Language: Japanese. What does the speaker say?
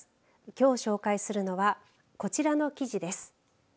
きょう紹介するのはこちらの記事です。